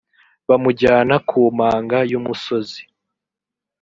bamujyana ku manga y umusozi